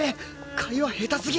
会話下手すぎ！